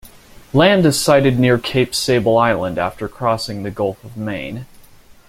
Land is sighted near Cape Sable Island after crossing the Gulf of Maine.